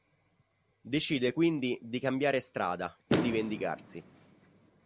Decide, quindi, di cambiare "strada" e di vendicarsi.